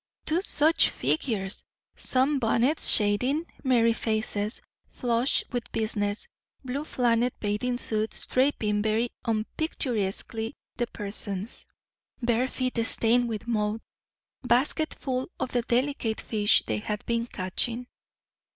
Two such figures! Sun bonnets shading merry faces, flushed with business; blue flannel bathing suits draping very unpicturesquely the persons, bare feet stained with mud, baskets full of the delicate fish they had been catching.